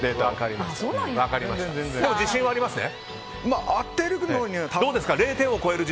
でも、自信はありますね？